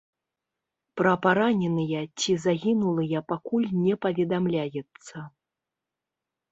Пра параненыя ці загінулыя пакуль не паведамляецца.